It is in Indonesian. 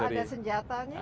tapi di kapal ada senjatanya